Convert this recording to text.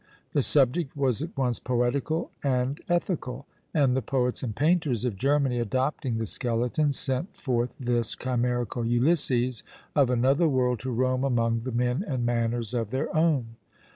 The subject was at once poetical and ethical; and the poets and painters of Germany adopting the skeleton, sent forth this chimerical Ulysses of another world to roam among the men and manners of their own.